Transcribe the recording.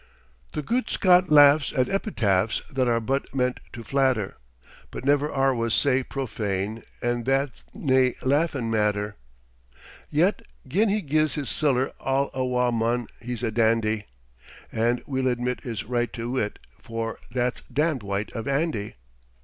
The gude Scot laughs at epitaphs that are but meant to flatter, But never are was sae profane, an' that's nae laughin' matter. Yet, gin he gies his siller all awa, mon, he's a dandy, An' we'll admit his right to it, for "That's damned white of Andy!"